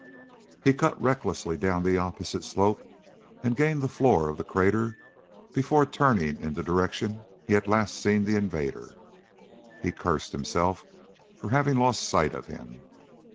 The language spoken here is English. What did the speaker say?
He cut recklessly down the opposite slope and gained the floor of the crater before turning in the direction he had last seen the invader. He cursed himself for having lost sight of him.